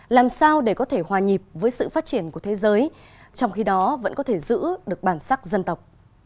làm sao để có thể hòa nhịp với sự phát triển của thế giới trong khi đó vẫn có thể giữ được bản sắc dân tộc